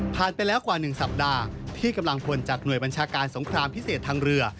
ไปแล้วกว่า๑สัปดาห์ที่กำลังพลจากหน่วยบัญชาการสงครามพิเศษทางเรือ